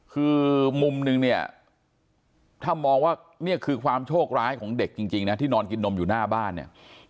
คือมุมนึงเนี่ยถ้ามองว่านี่คือความโชคร้ายของเด็กจริงนะที่นอนกินนมอยู่หน้าบ้านเนี่ย